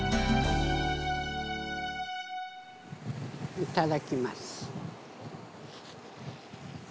いただきます。